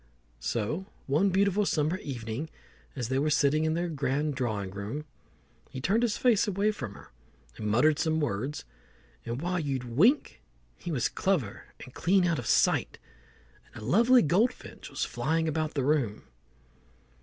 So one beautiful summer evening, as they were sitting in their grand drawing room, he turned his face away from her and muttered some words, and while you'd wink he was clever and clean out of sight, and a lovely goldfinch was flying about the room.